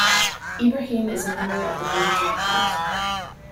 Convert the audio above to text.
Ibrahim is a member of the board of directors.